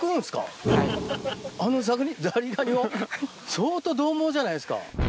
相当どう猛じゃないですか！